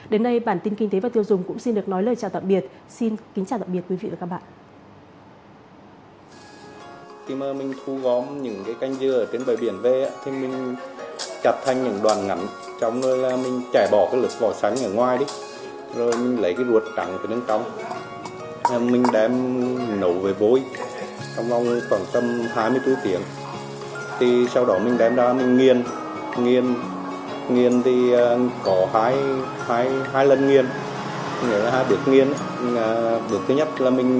đến nay bản tin kinh tế và tiêu dùng cũng xin được nói lời chào tạm biệt